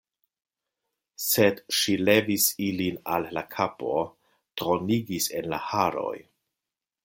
Sed ŝi levis ilin al la kapo, dronigis en la haroj.